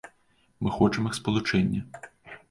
Мы хочам іх спалучэння.